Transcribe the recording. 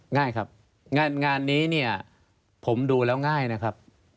ง่ายครับงานนี้เนี่ยผมดูแล้วง่ายนะครับ